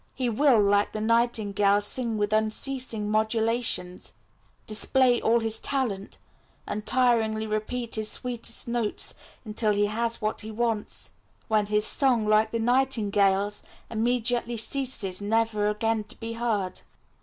He will, like the nightingale, sing with unceasing modulations, display all his talent, untiringly repeat his sweetest notes, until he has what he wants, when his song, like the nightingale's, immediately ceases, never again to be heard."